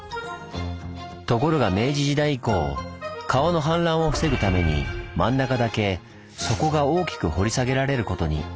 ところが明治時代以降川の氾濫を防ぐために真ん中だけ底が大きく掘り下げられることに。